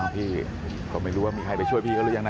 พี่ก็ไม่รู้ว่ามีใครไปช่วยพี่เขาหรือยังนะ